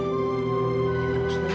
ini bukusin kado yang ini